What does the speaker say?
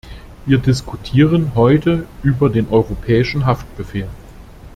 Wir diskutieren heute über den Europäischen Haftbefehl.